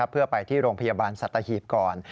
เพื่อไปที่โรงพยาบาลสัตหีบก่อน